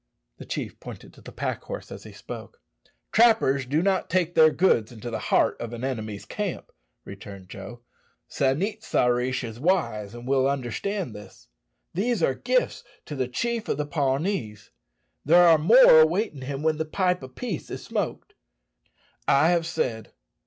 The chief pointed to the pack horse as he spoke. "Trappers do not take their goods into the heart of an enemy's camp," returned Joe. "San it sa rish is wise, and will understand this. These are gifts to the chief of the Pawnees. There are more awaiting him when the pipe of peace is smoked. I have said.